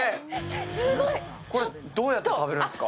これ、どうやって食べるんですか？